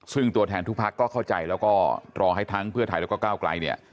ซึ่งตัวแทนทุกพักก็เข้าใจแล้วก็รอให้ทั้งเพื่อไทยแล้วก็ก้าวไกลเนี่ย